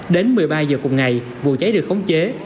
đến một mươi ba h cùng ngày vụ cháy được khống chế